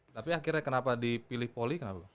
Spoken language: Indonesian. tapi akhirnya kenapa dipilih volley